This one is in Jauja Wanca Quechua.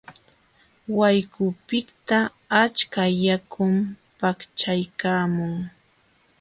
Wayqupiqta achka yakum paqchaykaamun.